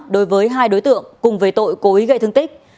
đối với hai đối tượng cùng về tội cố ý gây thương tích